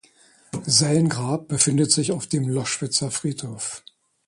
Sein Grab befindet sich auf dem Loschwitzer Friedhof.